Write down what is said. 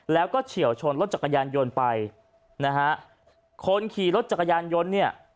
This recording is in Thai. แล้วก็เฉียวชนรถจักรยานยนต์ไปนะฮะคนขี่รถจักรยานยนต์เนี่ย